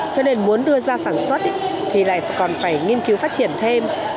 cho nên muốn đưa ra sản xuất thì lại còn phải nghiên cứu phát triển thêm